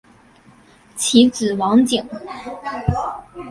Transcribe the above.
其子王景。